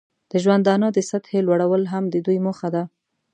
د ژوندانه د سطحې لوړول هم د دوی موخه ده.